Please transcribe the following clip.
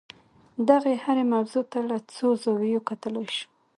دغې هرې موضوع ته له څو زاویو کتلای شو.